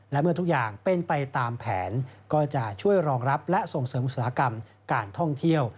และเมื่อทุกอย่างเป็นไปตามแผนก็จะช่วยรองรับและส่งเสริมอุตสาหกรรมการท่องเที่ยว